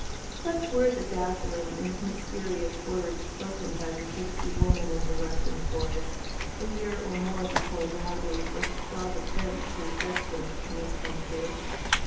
Such were the dazzling and mysterious words spoken by the gipsy woman in the Russian forest, a year or more before Natalie first saw the Prince who was destined to make them true.